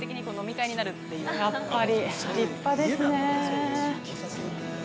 やっぱり立派ですね。